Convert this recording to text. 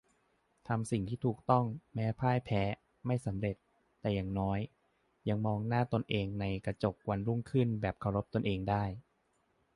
ทำสิ่งที่ถูกต้อง แม้พ่ายแพ้ ไม่สำเร็จ แต่อย่างน้อย ยังมองหน้าตนเองในกระจกวันรุ่งขึ้นแบบเคารพตนเองได้